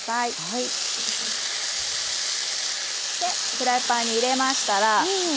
フライパンに入れましたら。